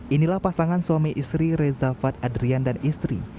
inilah pasangan suami istri reza fad adrian dan istri